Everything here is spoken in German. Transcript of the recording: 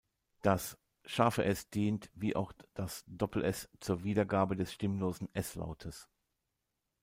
Das ß dient, wie auch das ss, zur Wiedergabe des stimmlosen s-Lautes.